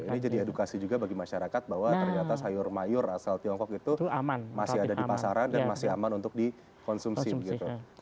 ini jadi edukasi juga bagi masyarakat bahwa ternyata sayur mayur asal tiongkok itu masih ada di pasaran dan masih aman untuk dikonsumsi begitu